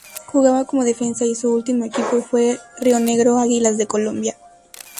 Jugaba como defensa y su último equipo fue Rionegro Águilas de Colombia.